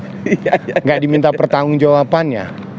tidak diminta pertanggung jawabannya